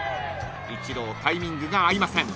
［イチロータイミングが合いません］